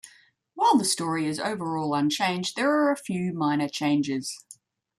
While the story is overall unchanged, there are a few minor changes.